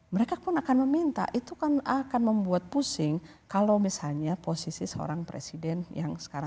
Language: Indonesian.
mereka pun akan meminta itu kan akan membuat pusing kalau misalnya posisi seorang presiden yang sekarang